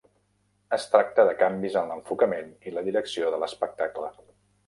Es tracta de canvis en l'enfocament i la direcció de l'espectacle.